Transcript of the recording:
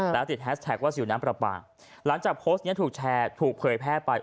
แล้วติดแฮสแท็กว่าสิวน้ำปลาปลาหลังจากโพสต์นี้ถูกแชร์ถูกเผยแพร่ไป